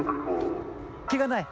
けがない？